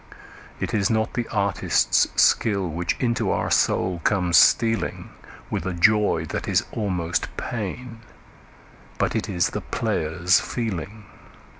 It is not the artist's skill which into our soul comes stealing With a joy that is almost pain, but it is the player's feeling.